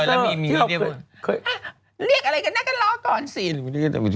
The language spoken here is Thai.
เรียกอะไรกันนะก็ล้อกก่อนสิ